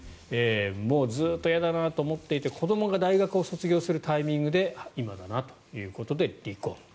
もうずっと嫌だなと思っていて子どもが大学を卒業するタイミングで今だなということで離婚。